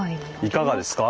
いかがですか？